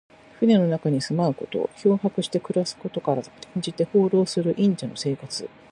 船の中に住まうこと。漂泊して暮らすことから、転じて、放浪する隠者の生活。